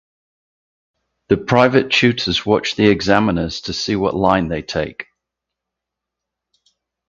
The private tutors watch the examiners to see what line they take.